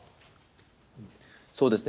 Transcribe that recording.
そうですね。